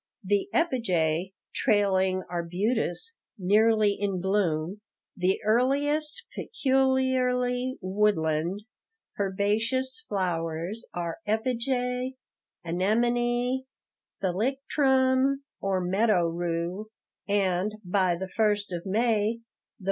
The epigæa (trailing arbutus) nearly in bloom. "The earliest peculiarly woodland, herbaceous flowers are epigæa, anemone, thalictrum (or meadow rue), and, by the first of May, the violet."